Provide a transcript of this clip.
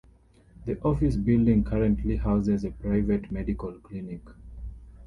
The office building currently houses a private medical clinic.